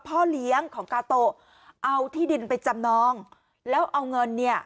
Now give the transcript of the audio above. พ่อเลี้ยงของกาโตเอาที่ดินไปจำนองแล้วเอาเงินเนี่ย